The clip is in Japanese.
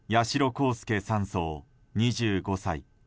航佑３曹、２５歳。